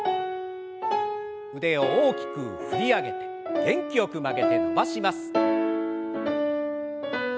腕を大きく振り上げて元気よく曲げて伸ばします。